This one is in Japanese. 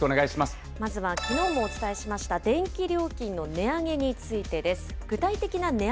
まずはきのうもお伝えしました、電気料金の値上げについてです。